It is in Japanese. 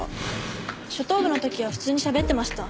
初等部の時は普通にしゃべってました。